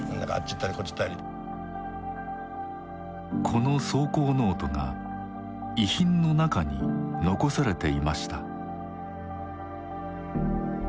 この草稿ノートが遺品の中に残されていました。